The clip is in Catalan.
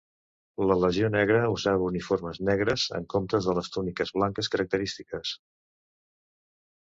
La Legió Negra usava uniformes negres, en comptes de les túniques blanques característiques.